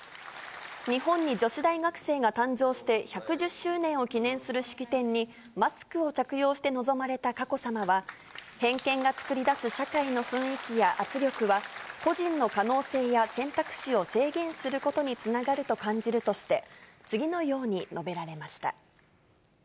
日本に女子大学生が誕生して１１０周年を記念する式典に、マスクを着用して臨まれた佳子さまは、偏見が作り出す社会の雰囲気や圧力は、個人の可能性や選択肢を制限することにつながると感じるとして、次のように述べられました。